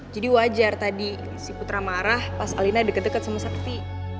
jadi wajar tadi si putra marah pas alina deket deket sama sakti